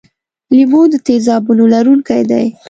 لیمو د تیزابونو لرونکی دی.